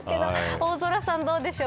大空さん、どうでしょう。